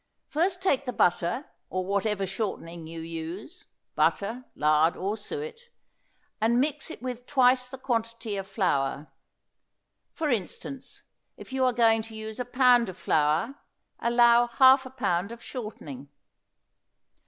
First take the butter, or whatever shortening you use, butter, lard, or suet, and mix it with twice the quantity of flour. For instance, if you are going to use a pound of flour allow half a pound of shortening.